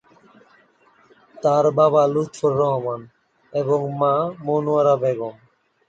তার বাবা লুৎফর রহমান এবং মা মনোয়ারা বেগম।